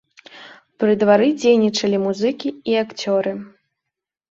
Пры двары дзейнічалі музыкі і акцёры.